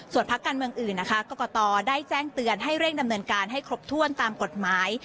พักการเมืองอื่นนะคะกรกตได้แจ้งเตือนให้เร่งดำเนินการให้ครบถ้วนตามกฎหมาย